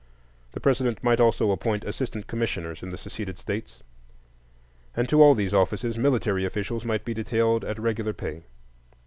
The President might also appoint assistant commissioners in the seceded States, and to all these offices military officials might be detailed at regular pay.